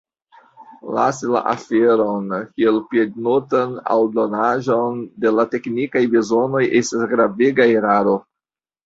Lasi la aferon kiel piednotan aldonaĵon de la teknikaj bezonoj estas gravega eraro.